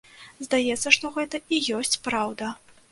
Здаецца, што гэта і ёсць праўда.